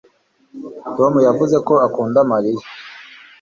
tom yavuze ko akunda mariya